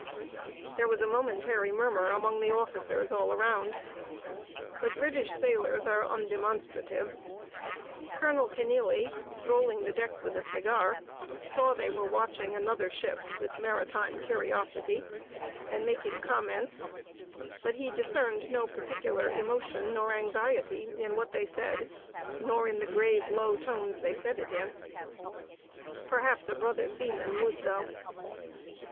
There was a momentary murmur among the officers all round. But British sailors are undemonstrative: Colonel Kenealy, strolling the deck with a cigar, saw they were watching another ship with maritime curiosity, and making comments; but he discerned no particular emotion nor anxiety in what they said, nor in the grave low tones they said it in. Perhaps a brother seaman would though.